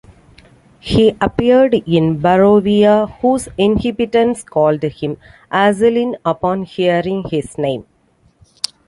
He appeared in Barovia, whose inhabitants called him "Azalin" upon hearing his name.